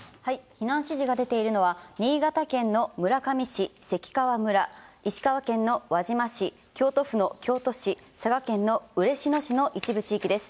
避難指示が出ているのは、新潟県の村上市関川村、石川県の輪島市、京都府の京都市、佐賀県の嬉野市の一部地域です。